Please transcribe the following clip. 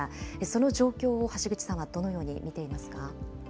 その状況を橋口さんはどのように見ていますか。